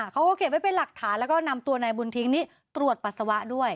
เขาก็เก็บไว้เป็นหลักฐานแล้วก็นำตัวนายบุญทิ้งนี้ตรวจปัสสาวะด้วย